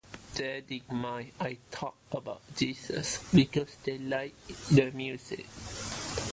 They didn't mind I talked about Jesus because they liked the music.